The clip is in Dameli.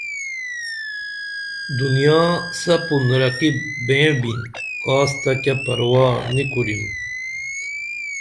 دنیا سپُن رقیب بیں بِن کاس تہ کیہ پرواہ نی کُریم